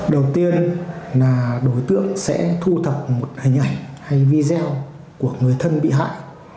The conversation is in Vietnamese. đầu tiên là đối tượng sẽ thu thập một hình ảnh hay video của người thân bị hại